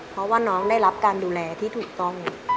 เพราะว่าน้องได้รับการดูแลที่ถูกต้อง